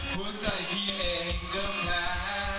หัวใจพี่เองก็ง้า